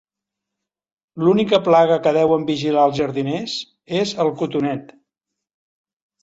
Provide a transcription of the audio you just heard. L'única plaga que deuen vigilar els jardiners és el cotonet.